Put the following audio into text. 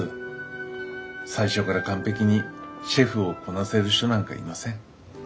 最初から完璧にシェフをこなせる人なんかいません。